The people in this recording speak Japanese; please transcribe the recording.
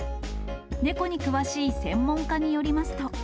猫に詳しい専門家によりますと。